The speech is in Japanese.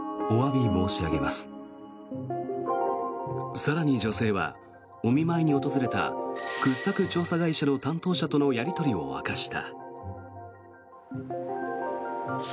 更に女性はお見舞いに訪れた掘削調査会社の担当者とのやり取りを明かした。